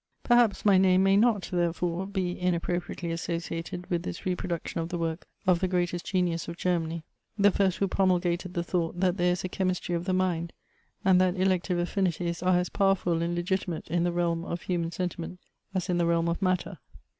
Perhaps my name may not, therefore, be inappropri ately associated with this reproduction of the work of the greatest Genius of Germany, the first who 3 iv Introduction. promulgated the thought that there is a chemistry of the mind, and that " Elective Affinities " are as powerful and legitimate in the realm of human sen timent as in the realm of matter.